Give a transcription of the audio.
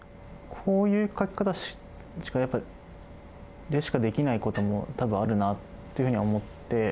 こういう書き方でしかできないことも多分あるなっていうふうに思って。